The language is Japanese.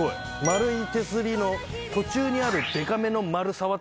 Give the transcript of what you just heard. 丸い手すりの途中にあるデカめの丸。